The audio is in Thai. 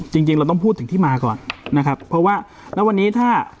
จริงจริงเราต้องพูดถึงที่มาก่อนนะครับเพราะว่าแล้ววันนี้ถ้า